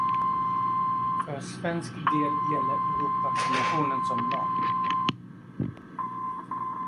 För svensk del gäller Europakonvention som lag.